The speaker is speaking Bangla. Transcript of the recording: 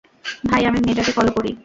ভাই, আমি মেয়েটাকে ফলো করি।